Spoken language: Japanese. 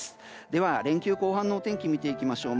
では連休後半のお天気見ていきましょう。